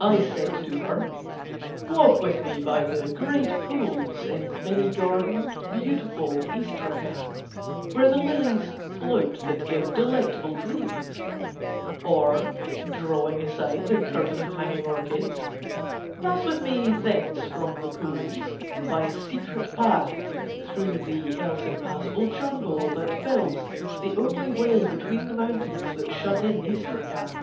"I said to her: "'Walk with me by the great pools in many gardened, beautiful Istrakhan where the lilies float that give delectable dreams; or, drawing aside the curtain of hanging orchids, pass with me thence from the pools by a secret path through the else impassable jungle that fills the only way between the mountains that shut in Istrakhan.